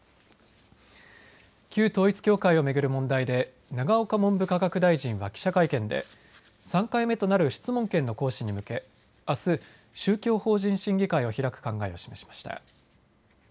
旧統一教会を巡る問題で永岡文部科学大臣は記者会見で３回目となる質問権の行使に向けあす宗教法人審議会を開く考えを示しました。